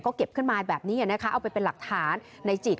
ก็เก็บขึ้นมาแบบนี้นะคะเอาไปเป็นหลักฐานในจิต